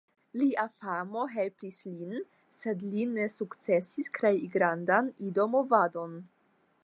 Lia famo helpis lin; sed li ne sukcesis krei grandan Ido-movadon.